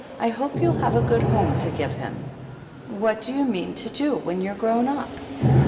I hope you'll have a good home to give him. What do you mean to do when you're grown up?"